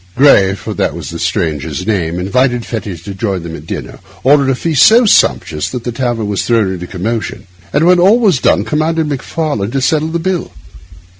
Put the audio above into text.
Gray, for that was the stranger's name, invited Fettes to join them at dinner, ordered a feast so sumptuous that the tavern was thrown into commotion, and when all was done commanded Macfarlane to settle the bill.